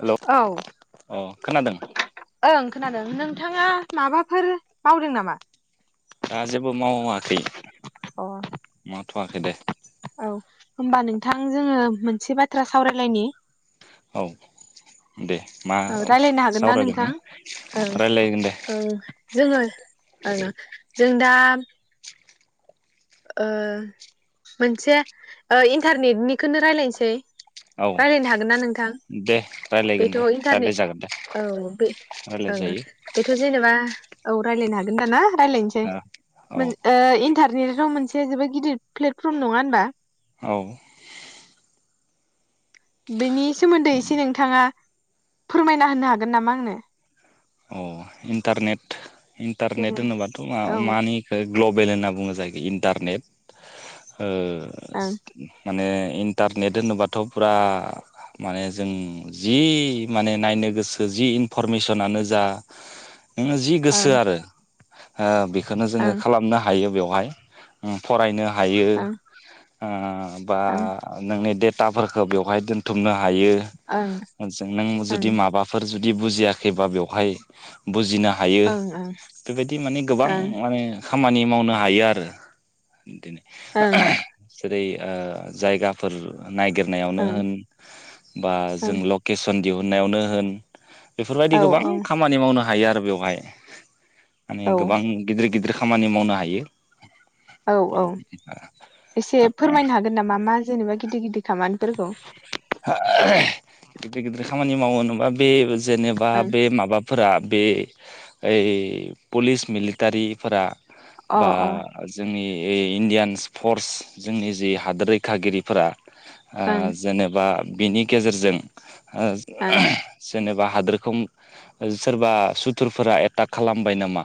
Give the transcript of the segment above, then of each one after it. Hello औ अ खोनादों ओं। खोनादों नोंथाङा माबाफोर मावदों नामा? दा जेबो मावाखै अ मा थ'वाखै दे। औ होमबा नोंथां जोङो मोन मोनसे बाथ्रा सावरायलायनायनि। औ दे मा औ रायलायनो हागोन ना नोंथां सावरायगोन ओं रायलायगोन दे ओं जोङो ओं जों दा। ओ मोनसे ओ इन्टारनेटनिखोनो रायलायनोसै। औ रायलायनो हागोनना नोंथां दे रायलायगोन बेथ' दे इन्टारनेट रायलायजागोन दे औ बे ओ रायलायजायो बेथ' जेनेबा। औ रायलायनो हागोन दा ना? रायज्लायनोसो औ मोन ओ इन्टार [unintelligible] बेयो मोनसे जोबोद गिदिर प्लेटफर्म नङा होनबा औ बिनि सोमोन्दै एसे नोंथाङा फोरमायना होनो हागोन नामा आंनो अ इन्टारनेट इन्टारनेट जेनेबा होनोबाथ मा औ ओं मानि इखो ग्लबेल होनना बुङो जायखो इन्टारनेट ओ आ माने इन्टारनेट होनोबाथ फुरा माने जों जि माने नायनो गोसो जि इनफरमेसनानो जा नोङो जि गोसो ओं आरो ओ बेख खोनो जोङो ओं खालामनो हायो बेयाव बहाय ओम फरायनो हायो ओं आ बा ओं नोंनि देट ताफोरखौ बेवहाय दोनथुमनो हायो ओं नों ओं जुदि माबाफोर जुद दि बुजियाखैबा बेयाव बहाय बुजिना हायो ओं बेबायदि माने गोबां ओं माने खामानि मावनो हायो आरो बिदिनो ओं जेरै ओ जायगाफोर नायगिरनायावनो ओं होन बा जों लकेसन दिहुननायावनो होन औ बेफोरबायदि गोबां नि मावनो हायो आरो बेवहाय औ माने गोबां गिदिर गिदिर खामानि मावनो हायो औ औ एसे फोरमायनो हागोन नामा मा जेनेबा गिदिर गिदिर खामानिफोरखौ गिदिर गिदिर खामानि मावो होनोबा बे जेनेबा बे माबाफोरा बे ओइ पुलिस मिलिटारिफोरा बा ओं जोंनि ऐ इण्डियान फर्स जोंनि जि हादोर रैखागिरिफोरा ओ अ ओं जेनेबा बिनि गेजेरजों ओ ओं आ जेनेबा हादोरखौ सोरबा सुथुरफोरा एटाक खालामबाय नामा?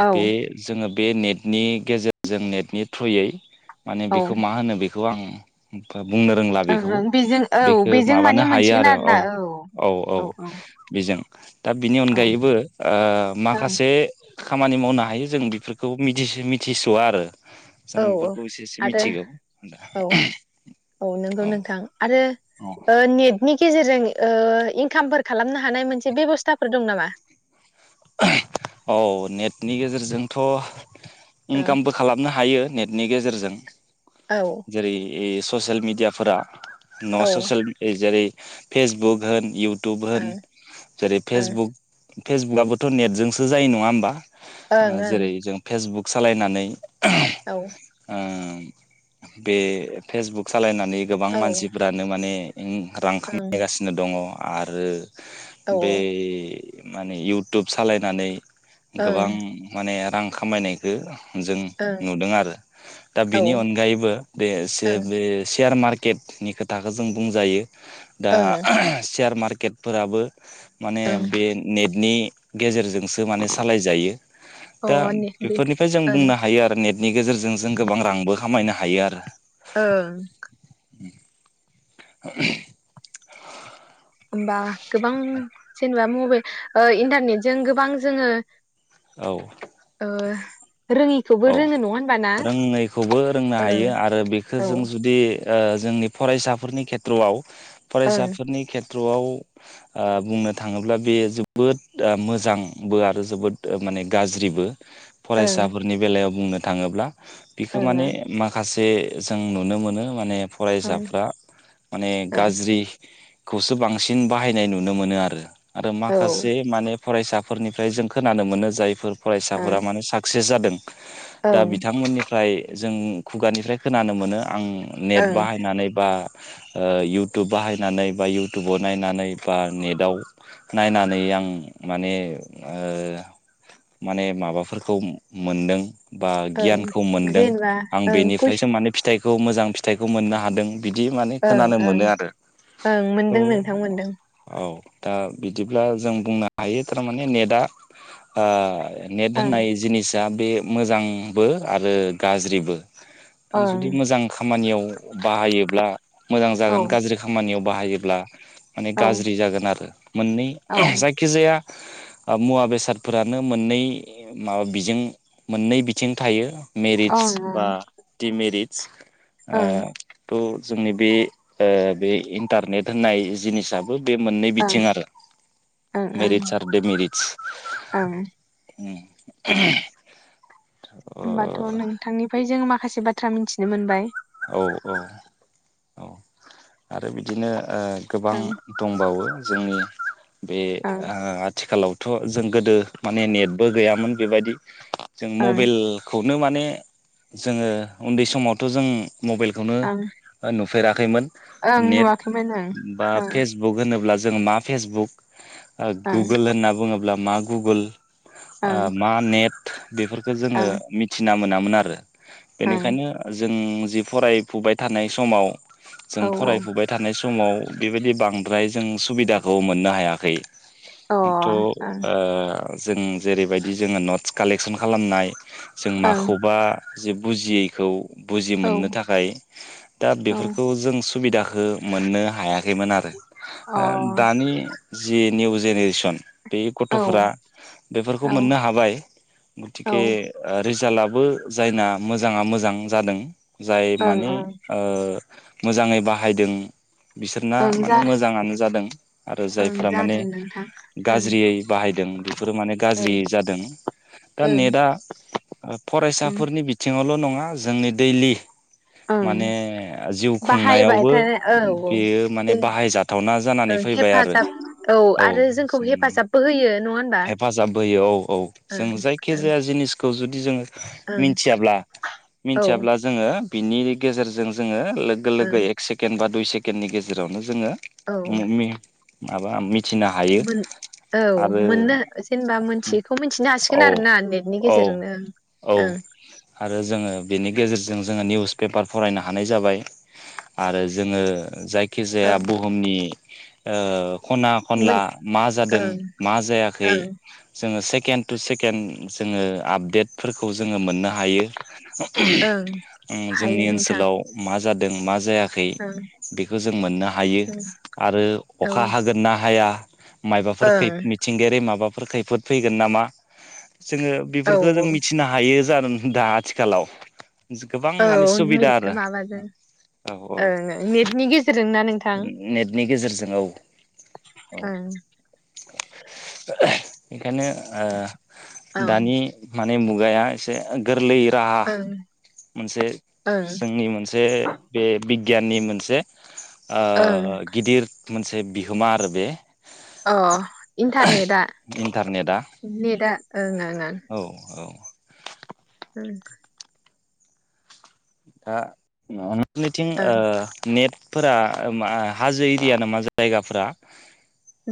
औ बे जोङो बे नेटनि गेजेरजों नेटनि थ्रुयै माने ओं बेखौ मा होनो बे खौ आं बुंनो रोंला बेखौ। ओं बेजों औ बेखौ बेजों माबानो माने हायो मोनसिगोन आरो औ आरोना औ औ औ। बेजों दा बिनि औ ओं अनगायैबो ओ औ माखासे खामानि मावनो हायो जों बेफोरखौ मिथिसि मिथिस'आ आरो जों औ बेफोरखौ एसे एसे आरो मिथिगौा औ औ रो नेटनि गेजेरजों ओ इनकामफोर खालामनो हानाय मोनसे बेब'स्थाफोर दं नामा? औ नेटनि गेजेरजोंथ' ओं इनकामबो खालामनो हायो नेट नि गेजेरजों औ। ए ससियेल मिडियाफोरा औ ना ओं ससेयेल जेरै फेसबुक होन इउ टुब होन जेरै ओं फेसबुक फेसबुकआबो नेटजोंसो जायो नङा होनोमबा ओं ओं जेरै जों फेसबुक सालायनानै औ। ओं बे फेसबुक सालायना नि गोबां औ मानसिफ्रानो माने ओं रां ओं खामायगासिनो दङ'। आरो। औ बे माने। इउटुब सालायनानै। ओं गोबां माने रां खामायनायखौ जों ओं नुदों आरो दा औ बेनि अनगायैबो बे सेयार ओं बे सेयार मार्के केटनि खोथाखो जों बुंजायो। दा ओं सेयार मार्के केटफोराबो माने बे नेटनि गेजेरजो सो माने सालाय जायो दा ओं अ ने बे बेफोरनिफ्राय जों ओं बुंनो हायो आरो नेट नि गेजेरजों जों गोबां रांबो खामायनो हायो आरो ओं [inaudible] [inaudible] होमबा गोबां जेनेबा मबाइ ओ इन्टारनेटजों गोबां जोङो। आरो औ ओ रोङिखौबो औ रोङो नङा होनबा ना? रोंङैखौबो रोंनो हायो ओं आरो बेखौ औ जों जुदि ओ जोंनि फरायसाफोरनि खेथ्र'आव ओं फरायसाफोरनि खेथ थ्रआव ओ बुंनो थाङोब्ला बेयो जोबोद मोजांबो आरो जोबोद माने गाज्रिबो। ओं फरायसाफोरनि बेलायाव बुंनो थाङोब्ला। बेखौ ओं माने ओं माखास जे जों नुनो मोनो माने ओं फरायसाफ्रा माने ओं गाज्रि खौसो बांसिन बाहायनाय नुनो मोनो आरो आरो औ माखासे माने फरायसाफोरनिफ्राय जों खोनानो मोनो जायफोर ओं रायसाफोरा माने साक्से जादो दा ओं बिथांमोननिफ्राय जों खुगानिफ्राय खोनानो मोनो आं नेट ओं बाहायनानै बा ओ इउटुब बाहायनानै बा इउटुबाव नायनानै बा नेटआव नायनानै आं माने ओ माने माबाफोरखौ मोनदों। बा ओं गियानखौ मोनदों जेनेबा आं ओं कुइस बेनिफ्रायसो माने फिथाइ खौ मोजां फिथाइखौ मोननो हादों। बिदि माने ओं खोनानो ओं मोनो आरो ओं थ' मोनदों नोंथां मोनदों औ दा बिदिब्ला जों बुंनो हायो थारमाने नेटआ आ नेट ओं होननाय जिनिस दा बे मोजांबो आरो गाज्रिबो। ओं जुदि मोजां खामानियाव बाहायोब्ला मोजां औ जागोन गाज्रि खामानियाव बाहायोब्ला माने औ गाज्रि जागोन आरो। मोननै औ ओं जायखिजाया ओ मुवा बेसादफोरानो मोननै माबा बिजों मोननै बिथिं थायो। मेरिटस ओं बा दिमेरिट। ओं [inaudible] ओ थ' जोंनि बे ओ बे इन्टारनेट होननाय जिनिसा बो बे मोननै ओं बिथिं आरो ओं ओं मेरिटस आरो डेमेरिटस ओं उम होमबाथ' नोंथांनिफ्राय जों माख खासे बाथ्रा मिथिनो मोनबाय। औ औ औ आरो बिदिनो ओ गोबां ओं दंबावो। जोंनि बे ओं ओ आथिखालाव थ' जों गोदो माने नेटबो गैयामोन बेबायदि जों ओं मबाइलखौ नो माने जोङो उन्दै समावथ' जों मबाइलखौनो ओं ओ नु फोराखैमोन ओं नेट नुवाखैमोन बा ओं फेसबुक होनोब्ला जों मा फेसबुक ओ ओं गुगोल होनना बुङोब्ला मा गुगोल ओ ओं मा नेट बेफोरखो जोंङो ओं मिथिना मोना मोन आरो बेनिखायनो जों जि फरायफुबाय थानाय समाव जों ओं फरायफुबाय थानाय सम समाव बेबायदि बांद्राय जों सुबिदाखौ मोननो हायाखै। औ आंथ ओ जों जेरैबायदि जोंङो नटस कालेकसन खालामनाय जों अ माखौबा [inaudible] बुजियैखौ बुजि मोननो ओं थाखाय दा ओं बेफोरखौ जों बिदाखो मोननो हायाखैमोन आरो औ ओ औ दानि जि निउ जेनेरेसन बे अ औ गथ'फ्रा बेफोरखौ मोननो हाबाय औ गथिखे ओ रिजाल्टआबो जायना मोजाङा मोजां जादों। जाय ओं माने ओं ओ मोजाङै बाहायदों। बिसोरना ओं माने जा मोजाङानो जादों आरो ओं जायफ्रा माने जादों नोंथां ओं गाज्रियै बाहायदों बेफोरो माने ओं गाज्रियै जादों दा ओं नेटआ ओं फरायसाफोरनि बि न'ल नङा जोंनि दैलि ओं माने जिउ बाहायबाय खुंनायावबो थानाय औ औ बेयो माने दोन बाहायजाथावना जानानै ओं फैबाय आरो हेफाजाब औ आरो जोंखौ जों हेफाजाबबो होयो नङा होनबा हेफाजाब होयो औ औ ओं जों जायखि जाया जिनिसखौ जु दि जोङो ओं थियाब्ला ओं मिनथियाब्ला जोङो। बिनि गेजेरजों जोंङो। लोगो लोगो एक सेकेण्ड बा दुइ सेकेण्डनि गेजेरावनो जोंङो औ ओं ममि माबा मि मोन औ मोननो जेनबा मोनथिखौ मोनथिनो औ हासिगोन आरोना नेटनि औ गेजेरजोंनो औ ओं। आरो जोङो बेनि गेजेरजों जोङो निउस पेपार फरायनो हानाय जाबाय आरो जोङो जाय खिजाया ओं बुहुमनि ओ खना खनला मोन मा जादों ओं मा जायाखै ओं जोङो से केण्ड टु सेकेण्ड जोङो आपडेटफोरखौ जो। ङो मोननो हायो ओं हायो जोंनि नोंथां ओनसोलाव मा जादों। दों मा जाया खै ओं बेखौ जों मोननो हायो ओं आरो औ अखा हागोन ना हाया। मायबाफोर खै ओं मिथिंगायारि माबा फोर खैफोद फैगोन नामा? जोङो औ बिफोरखो जों मिथिनो हा बेयो जादों दा आथिखालाव। गोबां औ माने सुबिदा मिन आरो माबाजों औ औ ओं निटनि गेजेरजों ना नोंथां नेटनि गेजेरजों औ औ ओं। [inaudible] [unintelligible] ओं दानि। माने बु मुगाया एसे गोरलै [unintelligible] मोनसे ओं जोंनि मोनसे बे बिगियाननि मोन से। ओ ओं गिदिर मोनसे बिहोमा आरो बे। अ इन्टारनेटआ इन्टारनेटआ नेटआ ओं ओं ओं। औ औ [inaudible] दा न मिथिं ओं नेट। फोरा मा हाजो एरिया नामा जायगाफोरा?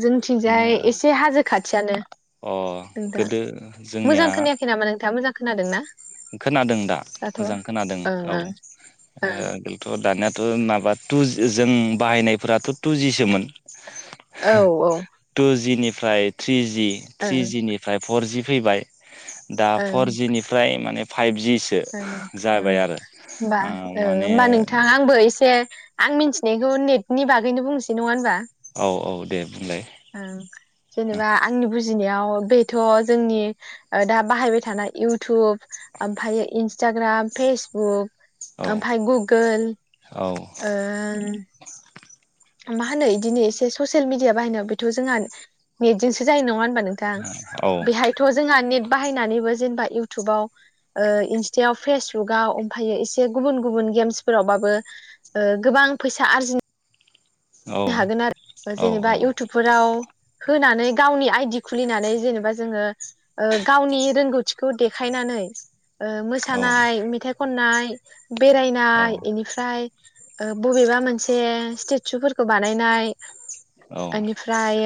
जोंथिंजाय अ एसे हाजो। खाथियानो नोंथां गोदो जोंनिया मोजां खोनायाखै नामा नोंथां मोजां। खोनादों ना? खोनादों दा दाथ' ओं मोजां खोनादों औ ओं ओं आगोलथ' दानियाथ' माबा टुज जों बाहायनायफोराथ' टुजिसोमोन। औ टु जिनि फ्राइद‌। थ्रिजि ओं थ्रिजिनिफ्राय फरजि। फैबाय। दा ओं फरजि निफ्राय। माने फाइभजि। होमबा ओ औ माने होमबा नोंथां आंबो एसे। आं मिथिनायखौ नेटनि बागैनो बुंनोसै नङा होनबा। औ औ दे। बुंलाय ओ जेनेबा आंनि बुजिनायाव। बेथ' जोंनि दा बाहायबाय थानाय इउटुब ओमफ्राय इन्सटाग्राम फेसबुक। औ ओमफाय गुगोल औ ओं। मा होनो बिदिनो एसे ससियेल मिडिया बाहायनायाव बेथ' जोंहा नेटजोंसो जायो नङा होन। होमबा नोंथां औ बेहायथ' जोंहा ने। बाहायनानैबो जेनेबा इउटुबाव ओ इन्स्टायाव फेसबुकाव ओमफ्रायो एसे गुबुन गुबुन गेम्सफोरावबाबो गोबां फैसा आरजिनो। औ औ नो हागोन आरो औ औ जेनेबा इउटुबफोराव। होनानै गावनि आइदि खुलिनानै जेनेबा जोङो गावनि रोंगौथिखौ देखायनानै। ओ औ मोसानाय मेथाइ खननाय। [inaudible] बेरायनाय बेनिफ्राय। बबेबा मोनसे स्टेचुफोर। खौ बानायनाय। औ बेनिफ्राय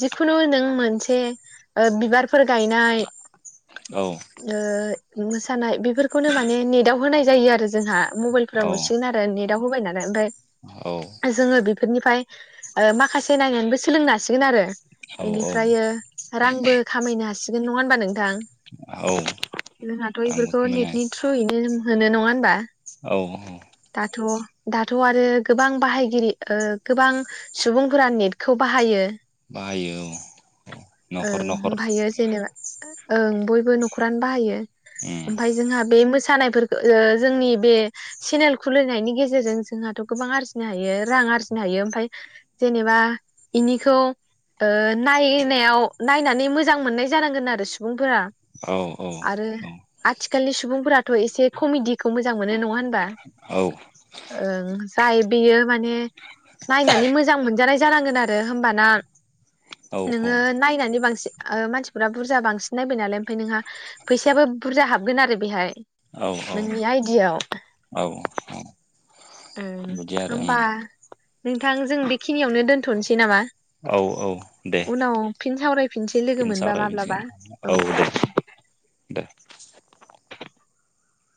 जिखुनु नों मोनसे। से बिबारफोर गायनाय। ओ। मोसानाय बेफोरखौनो माने नेटाव होनाय जायो आरो जोंहा। मबाइल फोराव नुसिगोन आरो नेट। नेटआव होबाय नालाय ओमफ्राय। जोङो बे। बेफोरनिफ्राय माखासे नायनानैबो सोलोंनो हासिगोन आरो। औ बेनिफ्राय रांबो खामायनो हासिगोन नङा होनबा नों। थां औ जोंहाथ' आंबो इफोरखौ खामायनो नेटनि थ्रुयैनो जों। होनो नङा होनबा। औ। दाथ' दाथ' आरो गोबां बाहायगिरि। ओ गोबां सुबुंफोरा नेटखौ बाहायो। बाहायो औ औ न'खर ओं न'खर। ओमफायो जेनेबा ओं बयबो न'खरानो बाहायो। उम ओमफाय जोंहा बे मोस सानायफोरखौ जोंनि बे चेनेल खुलिनायनि गेजेरजों जोंहाथ' गोबां आरजिनो हायो। रां आरजिनो हायो ओमफाय जेनेबा इनिखौ ओ नायनायाव नायनानै मोजां मोननाय जानांगोन आरो सुबुंफोरा। औ औ औ। खाललिनि सुबुंफोराथ' एसे कमेडिखौ मोजां मोनो नङा होनबा। औ बा ओं। दाय बियो माने। नायनानै मोजां मोनजानाय। जानांगोन आ रो होमबाना औ नोङो नायनानै बांसिन ओ मानसिफोरा बुरजा बांसिन नायबाय नालाय ओमफ्राय नोंहा फैसायाबो बुरजा हाबगोन आरो बेहाय। औ औ नोंनि आइडियाव औ औ। ओं बिदि आरो होमबा उम नोंथां जों बेखिनियावनो दोनथ'नोसै नामा? औ औ दे उनाव फिन सावरायफिनसै लोगो बेनो मोनबा माब्लाबा सावरायफिनसिगोन औ दे औ दे।